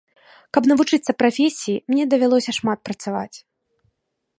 Каб навучыцца прафесіі, мне давялося шмат працаваць.